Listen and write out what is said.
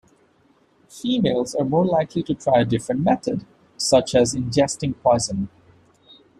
Females are more likely to try a different method, such as ingesting poison.